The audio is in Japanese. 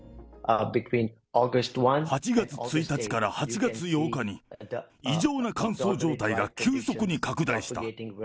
８月１日から８月８日に、異常な乾燥状態が急速に拡大した。